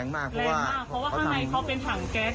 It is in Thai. แรงมากเพราะว่าข้างในเขาเป็นถังแก๊ส